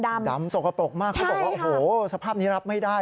ดำดำสกปรกมากเขาบอกว่าโอ้โหสภาพนี้รับไม่ได้